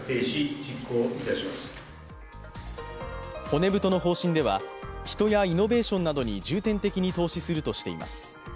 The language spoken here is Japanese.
骨太の方針では人やイノベーションなどに重点的に投資するとしています。